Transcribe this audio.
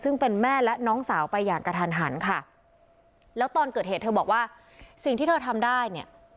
ซึ่งเป็นแม่และน้องสาวไปอย่างกระทันหันค่ะแล้วตอนเกิดเหตุเธอบอกว่าสิ่งที่เธอทำได้เนี่ย